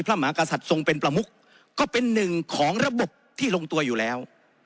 หากษัตริย์ทรงเป็นประมุกก็เป็นหนึ่งของระบบที่ลงตัวอยู่แล้ว